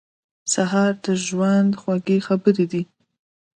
سهار د ژوند خوږې خبرې دي.